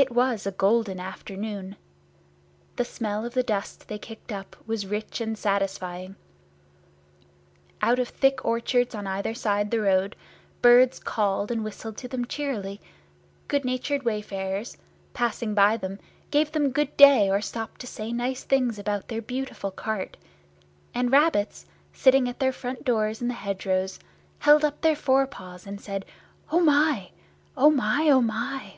It was a golden afternoon. The smell of the dust they kicked up was rich and satisfying; out of thick orchards on either side the road, birds called and whistled to them cheerily; good natured wayfarers, passing them, gave them "Good day," or stopped to say nice things about their beautiful cart; and rabbits, sitting at their front doors in the hedgerows, held up their fore paws, and said, "O my! O my! O my!"